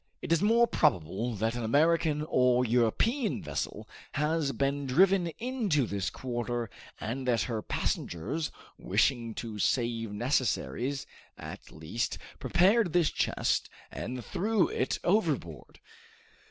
"It is more probable that an American or European vessel has been driven into this quarter, and that her passengers, wishing to save necessaries at least, prepared this chest and threw it overboard."